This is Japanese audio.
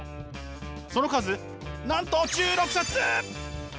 その数なんと１６冊！